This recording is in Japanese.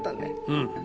うん。